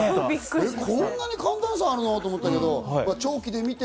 こんなに寒暖差あるんだなと思って。